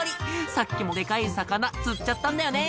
「さっきもデカい魚釣っちゃったんだよね」